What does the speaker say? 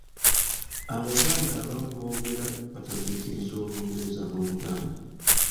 Abaganda abamu boogera batabiikiriza Olungereza n'Oluganda.